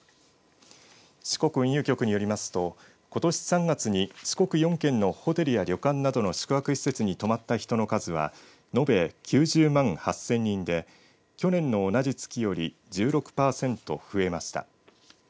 四国運輸局によりますとことし３月に四国４県のホテルや旅館などの宿泊施設に泊まった人の数は延べ９０万８０００人で去年の同じ月より１６パーセント増えました。